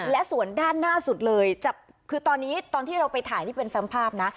และส่วนด้านหน้าสุดเลยคือตอนนี้ตอนที่เราไปถ่ายนี่เป็นแฟมภาพนะ